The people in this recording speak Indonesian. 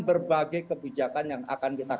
berbagai kebijakan yang akan kita